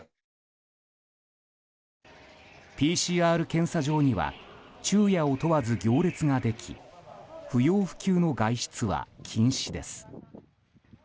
ＰＣＲ検査場には昼夜を問わず行列ができ不要不急の外出は禁止です。